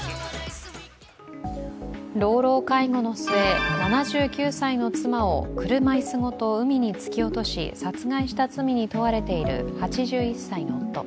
老老介護の末、７９歳の妻を車椅子ごと海に突き落とし殺害した罪に問われている８１歳の夫。